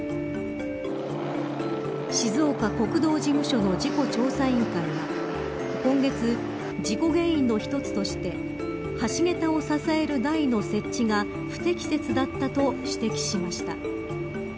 静岡国道事務所の事故調査委員会は今月、事故原因の１つとして橋桁を支える台の設置が不適切だったと指摘しました。